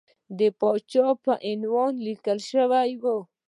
د پاچا په عنوان لیکل شوی وو.